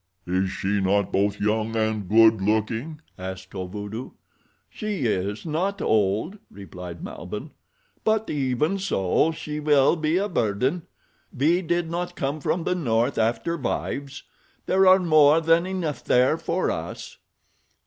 "Is she not both young and good looking?" asked Kovudoo. "She is not old," replied Malbihn; "but even so she will be a burden. We did not come from the north after wives—there are more than enough there for us."